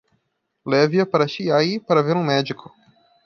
Leve-a para Chiayi para ver um médico.